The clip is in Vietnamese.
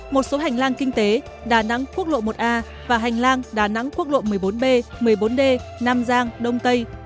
một số hành lang kinh tế đà nẵng quốc lộ một a và hành lang đà nẵng quốc lộ một mươi bốn b một mươi bốn d nam giang đông tây